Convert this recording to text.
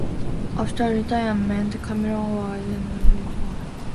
After retirement, Cameron and his wife visited Yad Vashem, the Holocaust museum in Israel.